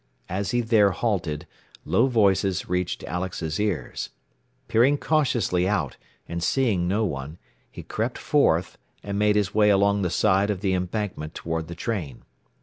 As he there halted, low voices reached Alex's ears. Peering cautiously out, and seeing no one, he crept forth, and made his way along the side of the embankment toward the train.